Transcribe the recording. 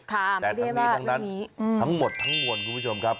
ค่ะไม่ได้มากเรื่องนี้แต่ทั้งนี้ทั้งนั้นทั้งหมดทั้งหมดคุณผู้ชมครับ